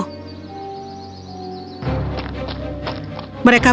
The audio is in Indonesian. cepat mari kita pulang dan menceritakan semuanya pada ibu